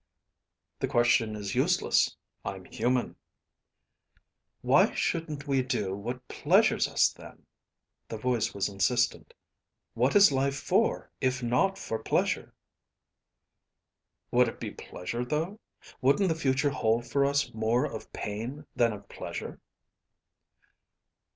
"The question is useless. I'm human." "Why shouldn't we do what pleases us, then?" The voice was insistent. "What is life for if not for pleasure?" "Would it be pleasure, though? Wouldn't the future hold for us more of pain than of pleasure?"